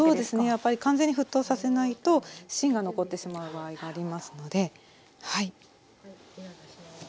やっぱり完全に沸騰させないと芯が残ってしまう場合がありますのではい。